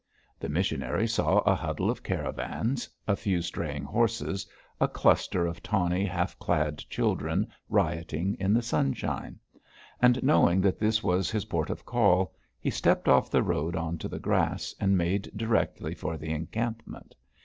The missionary saw a huddle of caravans, a few straying horses, a cluster of tawny, half clad children rioting in the sunshine; and knowing that this was his port of call, he stepped off the road on to the grass, and made directly for the encampment.